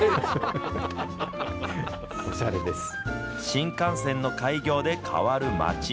新幹線の開業で変わる町。